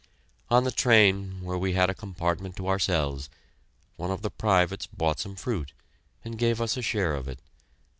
On the train, where we had a compartment to ourselves, one of the privates bought some fruit, and gave us a share of it.